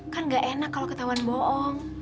tidak enak jika dia mengetahui kesalahan